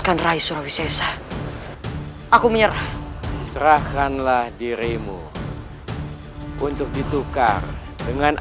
kau ingin aku melepaskan keponakan keluarga dana